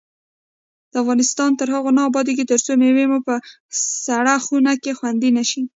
افغانستان تر هغو نه ابادیږي، ترڅو مېوې مو په سړه خونه کې خوندي نشي.